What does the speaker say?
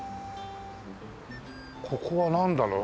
ここはなんだろう？